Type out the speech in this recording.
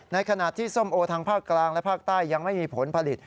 ในขณะที่ส้มโอทางภาคกลางและภาคใต้ยังไม่มีผลผลิต